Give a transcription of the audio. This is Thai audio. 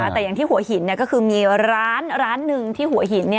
แต่อย่างที่หัวหินก็คือมีร้านหนึ่งที่หัวหิน